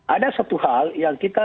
ada satu hal yang kita